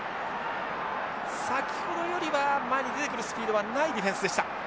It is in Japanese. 先ほどよりは前に出てくるスピードはないディフェンスでした。